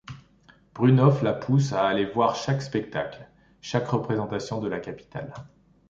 Brunhoff la pousse à aller voir chaque spectacle, chaque représentation de la capitale.